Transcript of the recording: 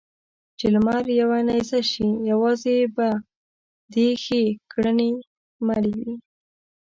چې لمر يوه نېزه شي؛ يوازې به دې ښې کړنې ملې وي.